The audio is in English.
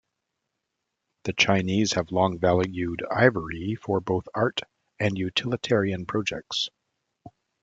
The Chinese have long valued ivory for both art and utilitarian objects.